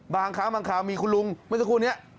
บางครั้งมีคุณลุงเมื่อสักครู่นี้